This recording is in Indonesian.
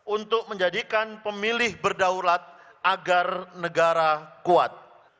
untuk menjadikan pemilih berdaulat agar negara kuat